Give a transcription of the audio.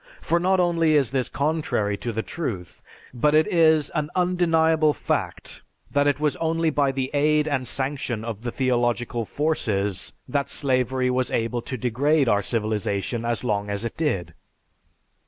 For not only is this contrary to the truth, but it is an undeniable fact that it was only by the aid and sanction of the theological forces that slavery was able to degrade our civilization as long as it did.